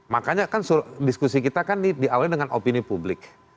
makanya kan diskusi kita kan diawali dengan opini publik